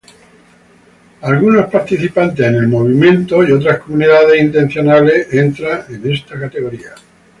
Algunos participantes en el movimiento kibbutz y otras comunidades intencionales entran en esta categoría.